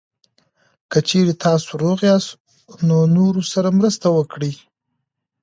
که چېرې تاسو روغ یاست، نو نورو سره مرسته وکړئ.